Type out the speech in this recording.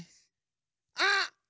あっ！